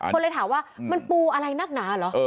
คนเลยถามว่ามันปูอะไรนักหนาเหรอ